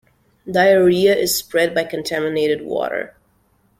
Diarrhea is spread by contaminated water.